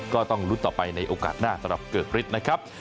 ก็ต้องลุ้นต่อไปในโอกาสหน้าสำหรับเกิกฤทธิ์นะครับ